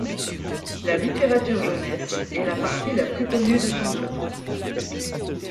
La littérature jeunesse est la partie la plus connue de son œuvre.